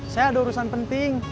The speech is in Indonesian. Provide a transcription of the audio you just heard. saya ada urusan penting